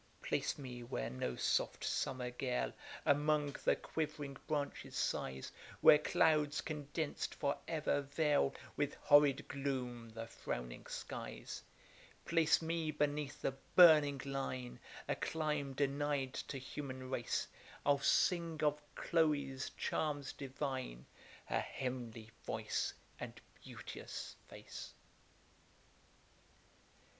Place me where no soft summer gale Among the quivering branches sighs; Where clouds condens'd for ever veil With horrid gloom the frowning skies: Place me beneath the burning line, A clime deny'd to human race; I'll sing of Chloe's charms divine, Her heav'nly voice, and beauteous face.